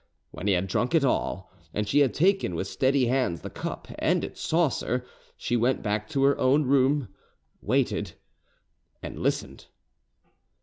When he had drunk it all, and she had taken with steady hands the cup and its saucer, she went back to her own room, waited and listened....